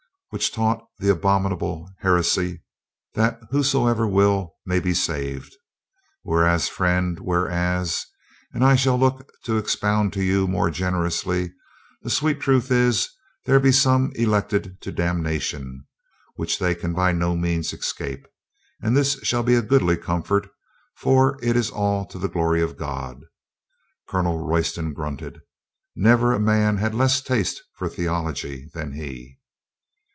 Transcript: "Which taught the abominable heresy that who soever will, may be saved. Whereas, friend, where as (as I shall look to expound to you more gener ously), the sweet truth is, there be some elected to damnation, which they can by no means escape. And this shall be a goodly comfort, for it is all to the glory of God." 244 COLONEL GREATHEART Colonel Royston grunted. Never a man had less taste for theology than he.